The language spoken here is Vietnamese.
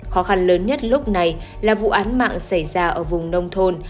khó khăn lớn nhất lúc này là vụ án mạng xảy ra ở vùng nông thôn